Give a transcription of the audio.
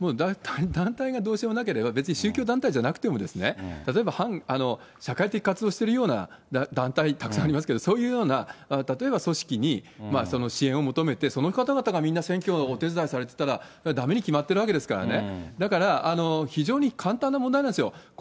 団体がどうしようもなければ、別に宗教団体じゃなくても、例えば反社会的活動をしているような団体、たくさんありますけれども、そういうような例えば組織にその支援を求めて、その方々がみんな選挙をお手伝いされてたら、だめに決まってるわけですからね。